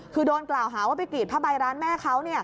คือโดนกล่าวหาว่าไปกรีดผ้าใบร้านแม่เขา